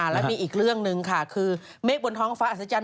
และมีอีกเรื่องหนึ่งค่ะคือเมฆบนท้องฟ้าอัศจรร